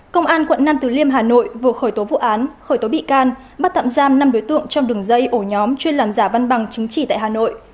công an quận nam từ liêm hà nội vừa khởi tố vụ án khởi tố bị can bắt tạm giam năm đối tượng trong đường dây ổ nhóm chuyên làm giả văn bằng chứng chỉ tại hà nội